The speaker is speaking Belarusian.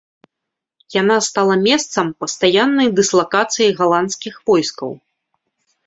Яна стала месцам пастаяннай дыслакацыі галандскіх войскаў.